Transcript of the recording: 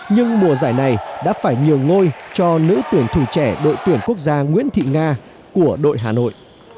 nhưng mùa giải này đã phải nhường ngôi cho nữ tuyển thủ trẻ đội tuyển quốc gia nguyễn thị nga của đội hà nội